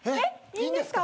いいんですか？